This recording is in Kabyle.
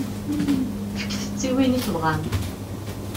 Fket-tt i win i tebɣam.